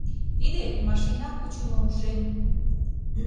Тиде — машина кучымо ушем.